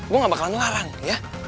gue gak bakalan ngelarang ya